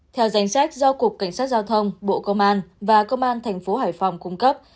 theo danh sách do cục cảnh sát giao thông bộ công an và công an thành phố hải phòng cung cấp